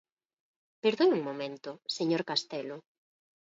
Perdoe un momento, señor Castelo.